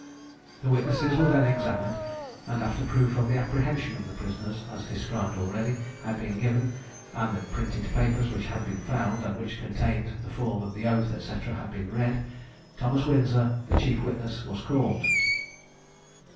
The witnesses were then examined; and after proof of the apprehension of the prisoners, as described already, had been given, and the printed papers which had been found, and which contained the form of the oath, &c., had been read, Thomas Windsor, the chief witness, was called.